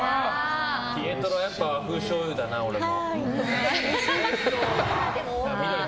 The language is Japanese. ピエトロ、やっぱり和風しょうゆだな、俺も。